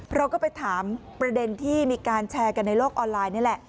เราก็ไปถามประเด็นที่มีการแชร์กันในโลกออนไลน์นี่แหละ